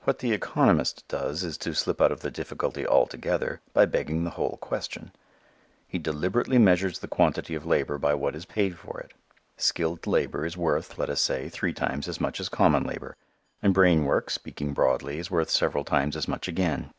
What the economist does is to slip out of the difficulty altogether by begging the whole question. He deliberately measures the quantity of labor by what is paid for it. Skilled labor is worth, let us say, three times as much as common labor; and brain work, speaking broadly, is worth several times as much again.